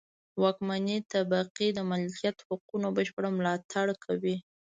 واکمنې طبقې د مالکیت حقونو بشپړ ملاتړ کاوه.